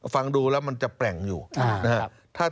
ฟังดูแล้วมันจะแปลงอยู่นะครับ